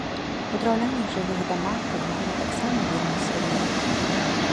У драўляных жылых дамах падвалы таксама вельмі сырыя.